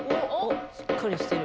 しっかりしてる。